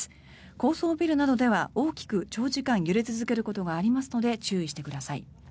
高層ビルなどでは大きく長時間揺れ続けることがありますので注意してください。